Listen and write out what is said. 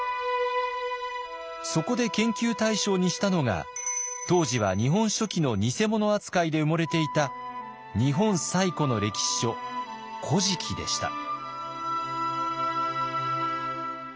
そこで研究対象にしたのが当時は「日本書紀」の偽物扱いで埋もれていた日本最古の歴史書「古事記」でした。